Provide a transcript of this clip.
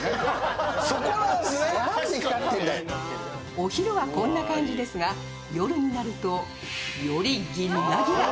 お昼はこんな感じですが、夜になると、よりギンラギラ。